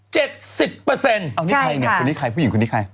เปอร์เซ็นต์เอานี่ใครเนี่ยคนนี้ใครผู้หญิงคนนี้ใคร